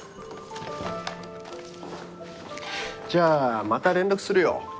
じゃあまた連絡するよ。